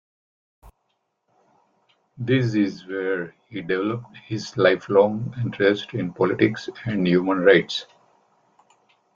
This is where he developed his lifelong interest in politics and human rights.